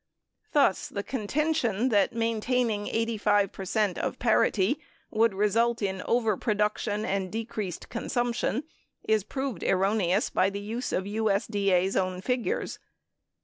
Thus, the contention that maintaining 85 percent of parity would result in over production and decreased con sumption is proved erroneous by use of USDA's own figures.